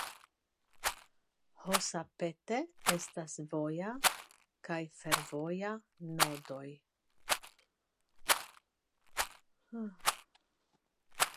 Hosapete estas voja kaj fervoja nodoj.